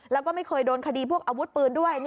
แล้วก็ไม่เคยโดนคดีพวกอาวุธปืนด้วย